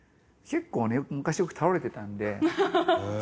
結構ね昔よく倒れてたんで。